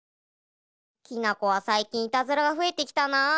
きな子はさいきんいたずらがふえてきたな。